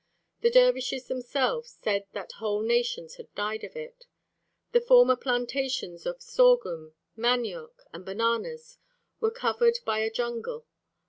The dervishes themselves said that whole nations had died of it. The former plantations of sorghum, manioc, and bananas were covered by a jungle.